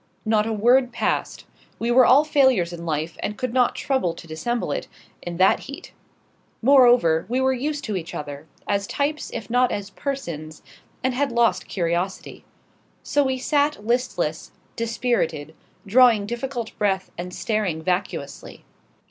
Not a word passed. We were all failures in life, and could not trouble to dissemble it, in that heat. Moreover, we were used to each other, as types if not as persons, and had lost curiosity. So we sat listless, dispirited, drawing difficult breath and staring vacuously.